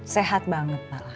sehat banget malah